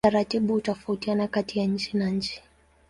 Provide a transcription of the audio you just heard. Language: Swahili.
Taratibu hutofautiana kati ya nchi na nchi.